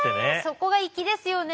そこが粋ですよね。